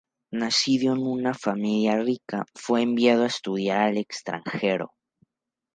Nacido en una familia rica, fue enviado a estudiar al extranjero.